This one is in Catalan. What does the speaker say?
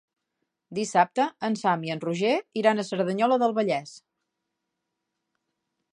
Dissabte en Sam i en Roger iran a Cerdanyola del Vallès.